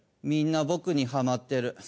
みんな僕にハマってる。